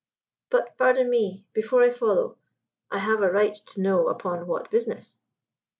"But, pardon me; before I follow, I have a right to know upon what business."